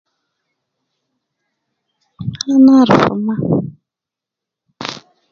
Anarfu maa